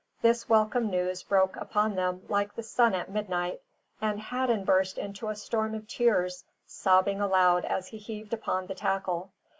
This welcome news broke upon them like the sun at midnight; and Hadden burst into a storm of tears, sobbing aloud as he heaved upon the tackle.